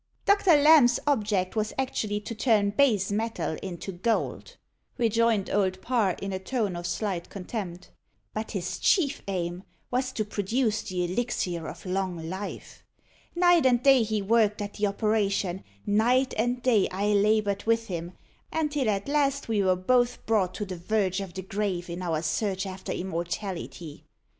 "Doctor Lamb's object was actually to turn base metal into gold," rejoined Old Parr, in a tone of slight contempt. "But his chief aim was to produce the elixir of long life. Night and day he worked at the operation; night and day I laboured with him, until at last we were both brought to the verge of the grave in our search after immortality.